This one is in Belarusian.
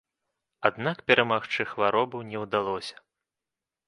Аднак перамагчы хваробу не ўдалося.